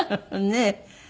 ねえ。